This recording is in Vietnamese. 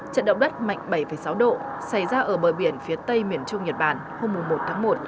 trận động đất mạnh bảy sáu độ xảy ra ở bờ biển phía tây miền trung nhật bản hôm một tháng một